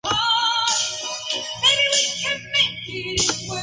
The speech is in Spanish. Knight vive en Toronto, Ontario y está matriculado en el Unionville High School.